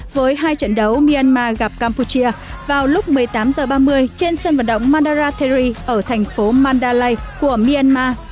với hai trận đấu myanmar gặp campuchia vào lúc một mươi tám h ba mươi trên sân vận động mandaray ở thành phố mandalay của myanmar